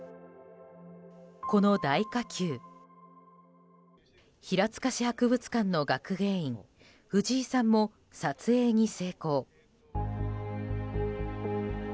この大火球平塚市博物館の学芸員藤井さんも撮影に成功。